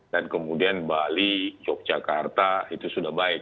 dan kemudian bali yogyakarta itu sudah baik